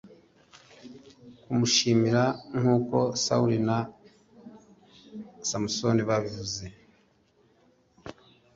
kumushimira, nkuko sawuli na samusoni babivuze